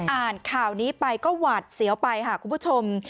อ่านข่าวนี้ไปก็หวาดเสียวไปค่ะคุณผู้ชม